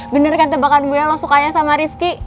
bener kan tebakan gue lo sukanya sama rifki